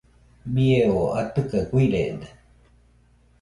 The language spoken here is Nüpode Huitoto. Bie oo atɨka guirede.